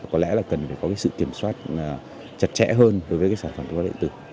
có lẽ là cần phải có cái sự kiểm soát chặt chẽ hơn đối với cái sản phẩm thuốc lá điện tử